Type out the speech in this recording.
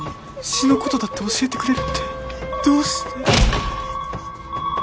詩の事だって教えてくれるってどうして。